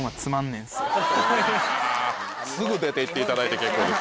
あぁすぐ出ていっていただいて結構です。